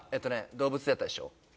動物やったでしょ